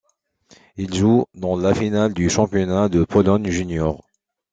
Il joue dans la finale du Championnat de Pologne junior.